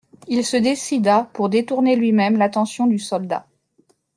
Il se décida pour détourner lui-même l'attention du soldat.